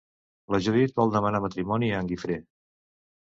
La Judit vol demanar matrimoni a en Gifré.